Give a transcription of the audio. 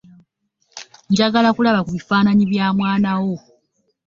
Njagala kulaba ku bifaananyi bya mwana wo.